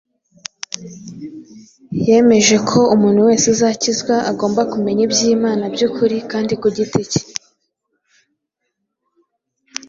Yemeje ko umuntu wese uzakizwa agomba kumenya iby’Imana by’ukuri kandi ku giti cye.